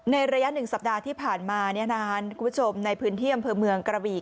ในระยะ๑สัปดาห์ที่ผ่านมาคุณผู้ชมในพื้นที่อำเภอเมืองกระบี่